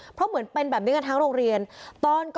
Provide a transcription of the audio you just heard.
เพราะเหมือนเป็นแบบนี้กันทั้งโรงเรียน